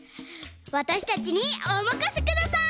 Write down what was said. わたしたちにおまかせください！